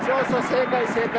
正解正解。